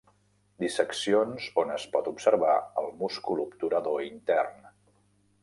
Disseccions on es pot observar el múscul obturador intern.